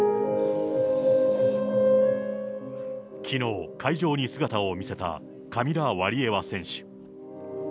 きのう、会場に姿を見せたカミラ・ワリエワ選手。